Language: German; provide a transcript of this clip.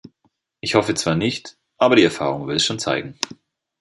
Ich hoffe zwar nicht, aber die Erfahrung wird es schon zeigen.